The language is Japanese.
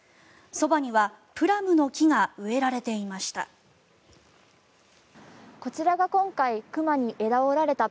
そばにはプラムの木が植えられていました。